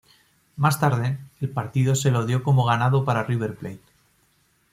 Más tarde, el partido se lo dio como ganado para River Plate.